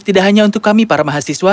tidak hanya untuk kami para mahasiswa